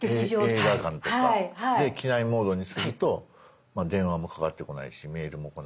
映画館とかで機内モードにすると電話もかかってこないしメールもこないし。